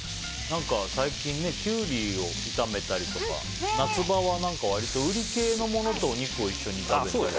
何か最近キュウリを炒めたりとか夏場は割とウリ系のものとお肉を一緒に炒めたりとか。